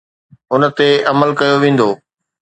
ان تي عمل ڪيو ويندو.